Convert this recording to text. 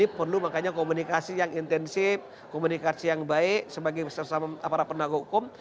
nah ini perlu makanya komunikasi yang intensif komunikasi yang baik sebagai para pendagang hukum